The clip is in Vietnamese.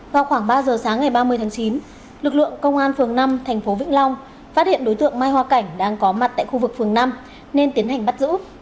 vào khoảng ba giờ sáng ngày ba mươi tháng chín lực lượng công an phường năm tp vĩnh long phát hiện đối tượng mai hoa cảnh đang có mặt tại khu vực phường năm nên tiến hành bắt giữ